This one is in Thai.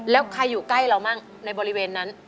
แล้วใครอยู่ใกล้เรามั่งในบริเวณนั้น